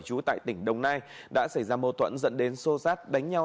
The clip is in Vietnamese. trú tại tỉnh đồng nai đã xảy ra mâu thuẫn dẫn đến sô sát đánh nhau